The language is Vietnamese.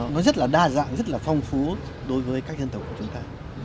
nó rất là đa dạng rất là phong phú đối với các dân tộc của chúng ta